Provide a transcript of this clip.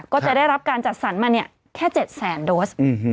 ก็จะได้รับการจัดสรรมาเนี่ยแค่๗แสนโดส